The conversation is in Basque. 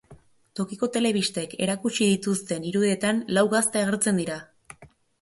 Tokiko telebistek erakutsi dituzten irudietan lau gazte agertzen dira.